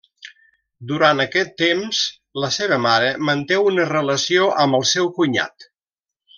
Durant aquest temps, la seva mare manté una relació amb el seu cunyat.